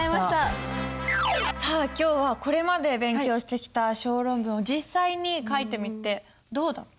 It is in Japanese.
さあ今日はこれまで勉強してきた小論文を実際に書いてみてどうだった？